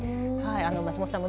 松本さん